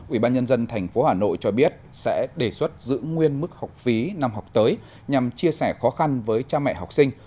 ubnd tp hà nội cho biết sẽ đề xuất giữ nguyên mức học phí năm học tới nhằm chia sẻ khó khăn với cha mẹ học sinh